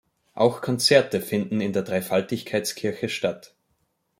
Auch Konzerte finden in der Dreifaltigkeitskirche statt.